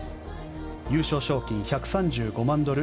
優勝賞金１３５万ドル